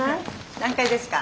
何階ですか？